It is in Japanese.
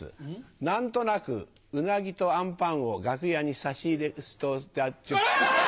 なんとなくうなぎとあんパンを楽屋に差し入れ。